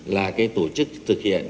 là cái tổ chức thực hiện